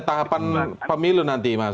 tahapan pemilu nanti mas